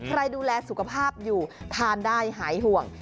ใครดูแลสุขภาพอยู่ทานได้หายห่วง